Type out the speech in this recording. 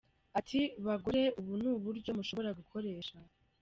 Ati “Bagore, ubu ni uburyo mushobora gukoresha.